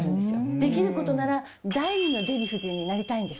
できる事なら第２のデヴィ夫人になりたいんです。